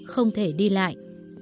không thể đi lại